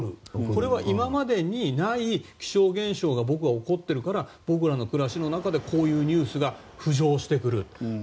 これは今までにない気象現象が起こっているから僕らの暮らしの中でこういうニュースが浮上してくると。